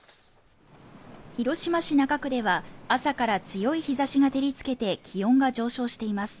広島市中区では朝から強い日差しが照りつけて気温が上昇しています